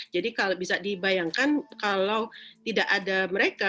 jadi bisa dibayangkan kalau tidak ada mereka